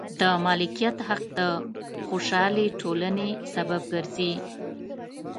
د مالکیت حق د خوشحالې ټولنې سبب ګرځي.